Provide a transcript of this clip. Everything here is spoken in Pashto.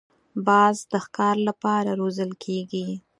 باز د ښکار له پاره روزل کېږي